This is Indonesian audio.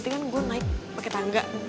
tengah gue naik pake tangga